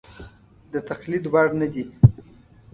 د تقلید وړ نه دي.